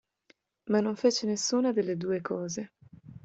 Ma non fece nessuna delle due cose.